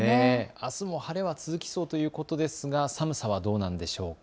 あすも晴れが続きそうということですが寒さはどうなんでしょうか。